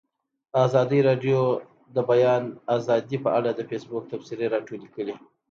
ازادي راډیو د د بیان آزادي په اړه د فیسبوک تبصرې راټولې کړي.